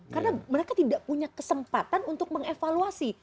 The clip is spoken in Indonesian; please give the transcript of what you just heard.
karena mereka tidak punya kesempatan untuk mengevaluasi